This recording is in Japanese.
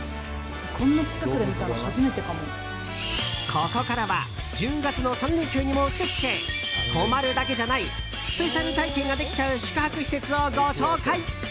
ここからは１０月の３連休にも、うってつけ泊まるだけじゃないスペシャル体験ができちゃう宿泊施設をご紹介。